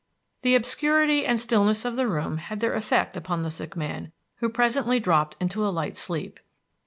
The obscurity and stillness of the room had their effect upon the sick man, who presently dropped into a light sleep.